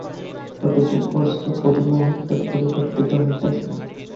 প্রতিটি বস্তু প্রতিমুহূর্তে পরিবর্তিত হইতেছে।